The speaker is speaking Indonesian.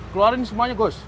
keluarin semuanya bos